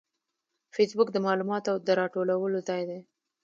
فېسبوک د معلوماتو د راټولولو ځای دی